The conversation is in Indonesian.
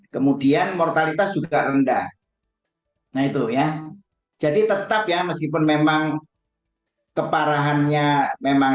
kemudian mortalitas juga rendah nah itu ya jadi tetap ya meskipun memang keparahannya memang